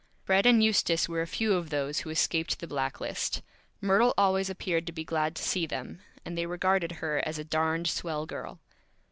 Fred and Eustace were a few of those who escaped the Black List. Myrtle always appeared to be glad to see them, and they regarded her as a Darned Swell Girl.